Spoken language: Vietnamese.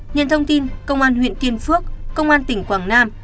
nhận thông tin công an huyện tiền phước công an tỉnh quảng nam